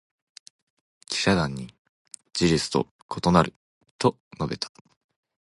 記者団に「事実と異なる」と述べた。